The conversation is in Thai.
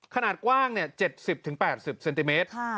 ขนาดกว้าง๗๐๘๐เซนติเมตร